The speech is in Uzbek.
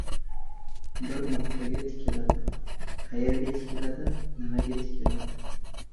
Bir nuqtaga tikiladi. Qayerga tikiladi, nimaga tikiladi?